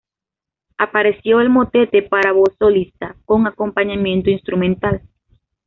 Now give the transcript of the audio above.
Apareció el motete para voz solista, con acompañamiento instrumental.